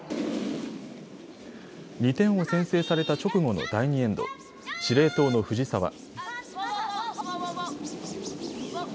２点を先制された直後の第２エンド、司令塔の藤澤。